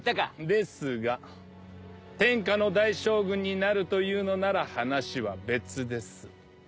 ですが天下の大将軍になるというのなら話は別です。